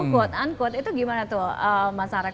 quote unquote itu gimana tuh masyarakat